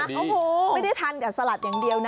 โอ้โหไม่ได้ทานแต่สลัดอย่างเดียวนะ